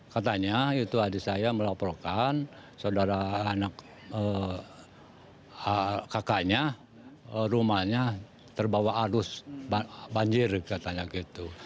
katanya itu adik saya melaporkan saudara anak kakaknya rumahnya terbawa arus banjir katanya gitu